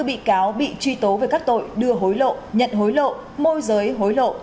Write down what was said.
năm bị cáo bị truy tố về các tội đưa hối lộ nhận hối lộ môi giới hối lộ